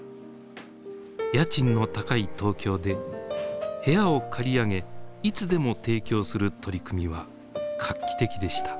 家賃の高い東京で部屋を借り上げいつでも提供する取り組みは画期的でした。